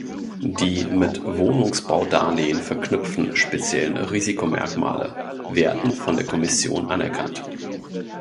Die mit Wohnungsbaudarlehen verknüpften speziellen Risikomerkmale werden von der Kommission anerkannt.